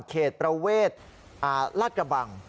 เขตประเวทลาดกระบัง